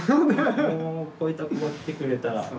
こういった子が来てくれたら。